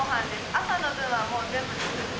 朝の分はもう全部作って。